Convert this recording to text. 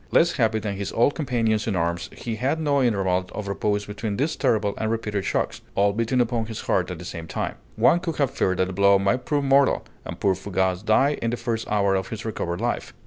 Less happy than his old companions in arms, he had no interval of repose between these terrible and repeated shocks, all beating upon his heart at the same time. One could have feared that the blow might prove mortal, and poor Fougas die in the first hour of his recovered life.